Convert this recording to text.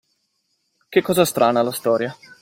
Che cosa strana, la storia.